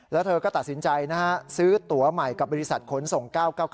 แล้วเธอก็ตัดสินใจนะฮะซื้อตัวใหม่กับบริษัทขนส่ง๙๙๙